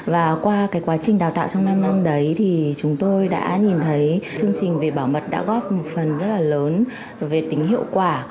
và qua cái quá trình đào tạo trong năm năm đấy thì chúng tôi đã nhìn thấy chương trình về bảo mật đã góp một phần rất là lớn về tính hiệu quả